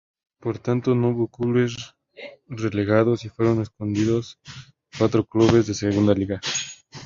Por tanto, no hubo clubes relegados y fueron ascendidos cuatro clubes de segunda liga.